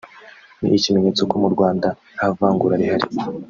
ni ikimenyetso ko mu Rwanda ntavangura rihari